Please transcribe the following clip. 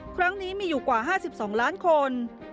ครั้งนี้มีอยู่กว่าห้าสิบสองล้านคน